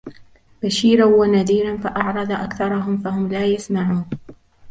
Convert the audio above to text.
بشيرا ونذيرا فأعرض أكثرهم فهم لا يسمعون